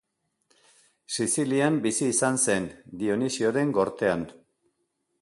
Sizilian bizi izan zen, Dionisioren gortean.